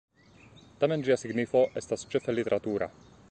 Tamen ĝia signifo estas ĉefe literatura.